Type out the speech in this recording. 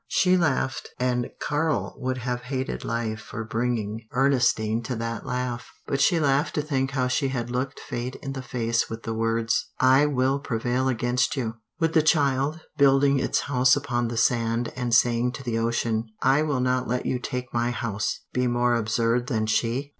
She laughed and Karl would have hated life for bringing Ernestine to that laugh. But she laughed to think how she had looked fate in the face with the words: "I will prevail against you!" Would the child, building its house upon the sand and saying to the ocean: "I will not let you take my house!" be more absurd than she?